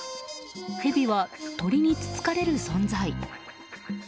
ヘビは鳥につつかれる存在。